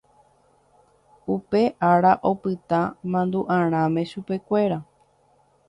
Upe ára opyta mandu'arãme chupekuéra.